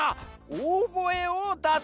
おおごえをだす！